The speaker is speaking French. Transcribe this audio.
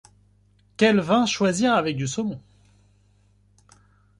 Quel vin choisir avec du saumon ?